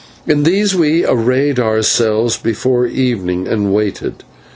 In these we arrayed ourselves before evening, and waited.